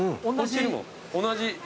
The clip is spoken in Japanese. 同じ。